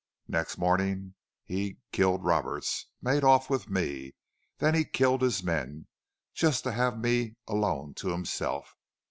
Next morning he killed Roberts made off with me.... Then he killed his men just to have me alone to himself....